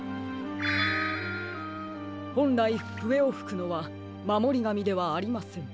ほんらいふえをふくのはまもりがみではありません。